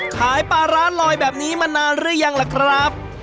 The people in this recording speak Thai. ขายปลาร้าลอยแบบนี้มานานหรือยังล่ะครับ